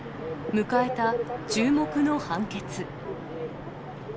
迎えた注目の判決。